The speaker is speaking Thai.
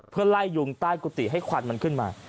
เพื่อไล่ยุงใต้กุฏิให้ควันมันขึ้นมา